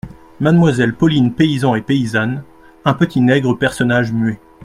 Mademoiselle Pauline Paysans et Paysannes, Un Petit Nègre personnage muet.